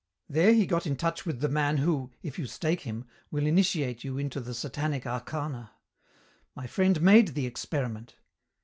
There he got in touch with the man who, if you stake him, will initiate you into the Satanic arcana. My friend made the experiment.